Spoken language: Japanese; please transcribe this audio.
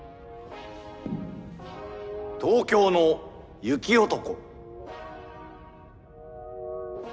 東京の雪男。